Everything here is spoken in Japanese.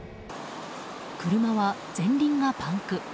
車は前輪がパンク。